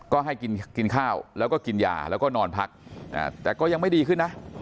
ก็ให้กินข้าวแล้วก็กินยาแล้วก็นอนพักแต่ก็ยังไม่ดีขึ้นนะ